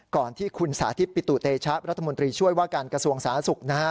ก่อนที่คุณสาธิตปิตุเตชะรัฐมนตรีช่วยว่าการกระทรวงสาธารณสุขนะฮะ